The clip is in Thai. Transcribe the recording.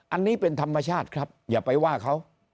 อันนี้เป็นธรรมชาติครับอย่าไปว่าเขา